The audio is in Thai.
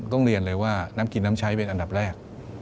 ต้องเรียนเลยว่าน้ำกินน้ำใช้เป็นอันดับแรก